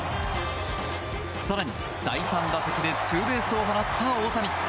更に、第３打席でツーベースを放った大谷。